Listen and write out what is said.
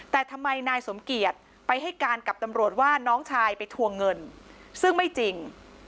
แต่ทำไมนายสมเกียจไปให้การกับตำรวจว่าน้องชายไปทวงเงินซึ่งไม่จริง